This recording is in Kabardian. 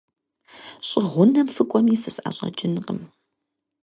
ЩӀы гъунэм фыкӀуэми, фысӀэщӀэкӀынкъым.